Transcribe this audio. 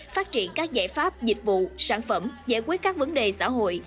phát triển các giải pháp dịch vụ sản phẩm giải quyết các vấn đề xã hội